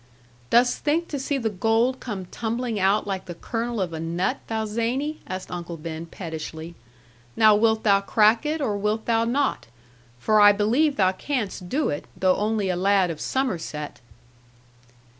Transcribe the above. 'Dost think to see the gold come tumbling out like the kernel of a nut, thou zany?' asked Uncle Reuben pettishly; 'now wilt thou crack it or wilt thou not? For I believe thou canst do it, though only a lad of Somerset.'